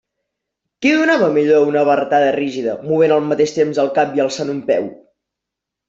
Qui donava millor una barretada rígida, movent al mateix temps el cap i alçant un peu?